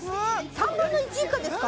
３分の１以下ですか？